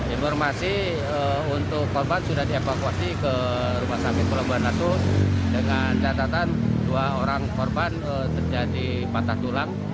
informasi untuk korban sudah dievakuasi ke rumah sakit pelabuhan ratu dengan catatan dua orang korban terjadi patah tulang